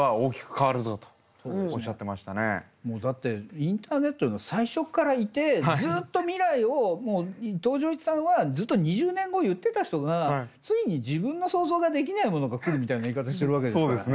だってインターネットの最初からいてずっと未来を伊藤穰一さんはずっと２０年後を言ってた人がついに自分の想像ができないものが来るみたいな言い方してるわけですからね。